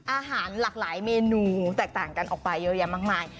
อาหารหลากหลายเมนูแตกต่างกันออกไปเยอะแยะมากมาย